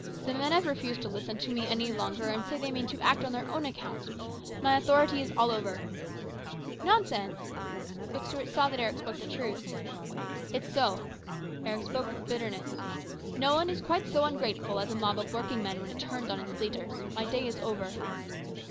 " The men have refused to listen to me any longer, and say they mean to act on their own account ! My authority is all over !"" Nonsense !" But Stuart saw that Eric spoke the truth. " It's so." Eric spoke with bitterness. " No one 260 HIS BROTHER'S KEEPER. is quite so ungrateful as a mob of working men when it turns on its leaders. My day is over."